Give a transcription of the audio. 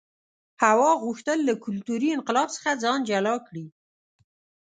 هوا غوښتل له کلتوري انقلاب څخه ځان جلا کړي.